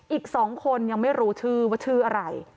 อีก๒คนยังไม่รู้ชื่อว่าชื่ออะไร